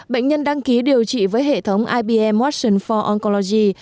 bệnh nhân đăng ký điều trị với hệ thống ibm watson for oncology